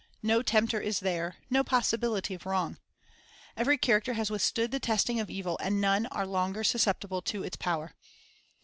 No tempter is there, no possibility of wrong. Every character has withstood the testing of evil, and none are longer sus ceptible to its power.